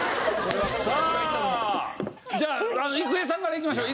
じゃあ郁恵さんからいきましょう。